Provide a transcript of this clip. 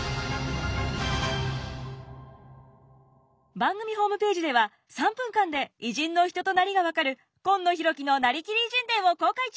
番組ホームページでは３分間で偉人の人となりが分かる「今野浩喜のなりきり偉人伝」を公開中！